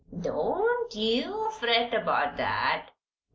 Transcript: "Don't you fret about that.